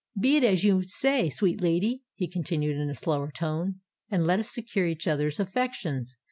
Be it as you say, sweet lady," he continued, in a slower tone; "and let us secure each other's affections.